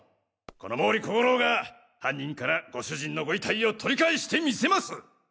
この毛利小五郎が犯人からご主人のご遺体を取り返してみせます！